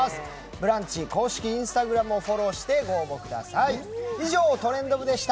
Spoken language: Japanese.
「ブランチ」公式Ｉｎｓｔａｇｒａｍをチェックしてご応募ください。